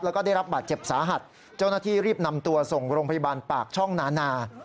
แล้วก็ได้รับบาดเจ็บสาหัสเจ้าหน้าที่รีบนำตัวส่งโรงพยาบาลปากช่องนานา